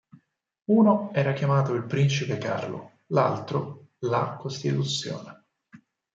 Uno era chiamato "il Principe Carlo", l'altro "La Costituzione".